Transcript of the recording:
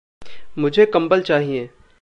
मुझे कंबल चाहिए।